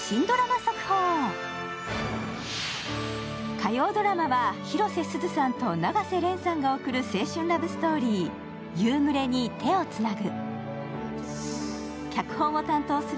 火曜ドラマは広瀬すずさんと永瀬廉さんが送る青春ラブストーリー「夕暮れに、手をつなぐ」。